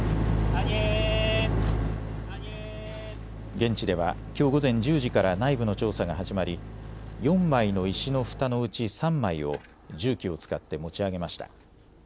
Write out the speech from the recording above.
現地ではきょう午前１０時から内部の調査が始まり４枚の石のふたのうち３枚を重機を使って持ち上げました。